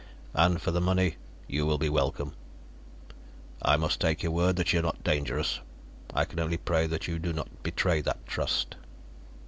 "And for the money, you will be welcome. I must take your word that you are not dangerous; I can only pray that you do not betray that trust."